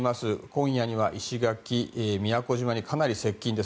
今夜には石垣、宮古島にかなり接近。